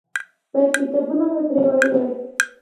باید کتابونه مې ترې وړي وای.